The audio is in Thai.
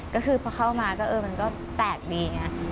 ก็คือพอเข้ามาก็เออมันก็แตกดีอย่างนี้